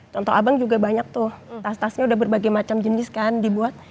contoh abang juga banyak tuh tas tasnya udah berbagai macam jenis kan dibuat